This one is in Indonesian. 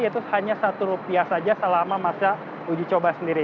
yaitu hanya satu rupiah saja selama masa uji coba sendiri